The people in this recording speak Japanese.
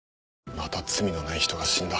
また罪のない人が死んだ。